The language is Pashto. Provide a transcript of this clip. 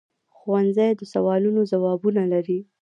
ښوونځی د سوالونو ځوابونه لري